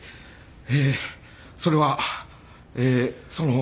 えそれはえそのえ。